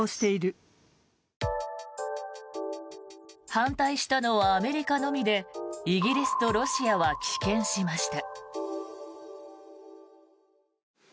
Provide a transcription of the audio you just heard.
反対したのはアメリカのみでイギリスとロシアは棄権しました。